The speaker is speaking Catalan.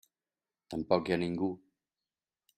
Tampoc hi ha ningú.